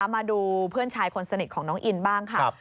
มาดูเพื่อนชายคนสนิทของน้องอินบ้างค่ะ